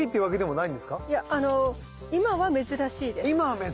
いやあの今は珍しいです。